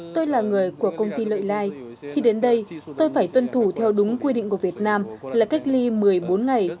tôi là người của công ty lợi lai khi đến đây tôi phải tuân thủ theo đúng quy định của việt nam là cách ly một mươi bốn ngày